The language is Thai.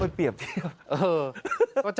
ไม่เหมือน